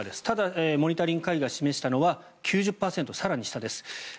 ただモニタリング会議が示したのは９０％、更に下です。